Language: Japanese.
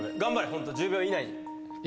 ホント１０秒以内に。